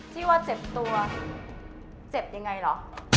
ที่ว่าเจ็บตัวเจ็บยังไงเหรอ